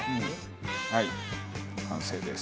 はい完成です。